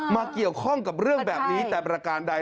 เกี่ยวข้องกับเรื่องแบบนี้แต่ประการใด